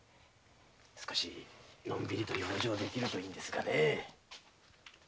少しのんびりと養生できるといいんですが。